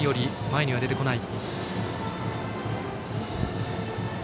前には出てこない。